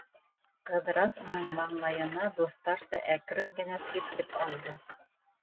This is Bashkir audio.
Ҡыҙырас уның маңлайына дуҫтарса әкрен генә сиртеп алды: